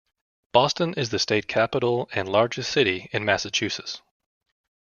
Boston is the state capital and largest city in Massachusetts.